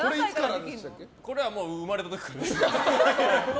これは生まれた時からです。